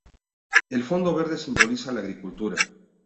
El fondo verde simboliza la agricultura.